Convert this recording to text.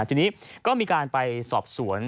ทีนี้ก็มีการไปสอบสวน